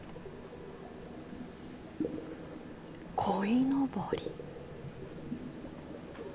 こいのぼり。